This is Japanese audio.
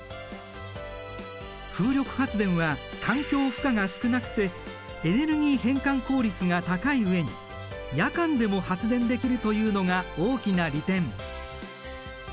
風力発電は環境負荷が少なくてエネルギー変換効率が高い上に夜間でも発電できるというのが大きな利点。